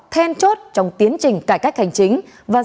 thêm chốt trong tiến trình cải cách hành chính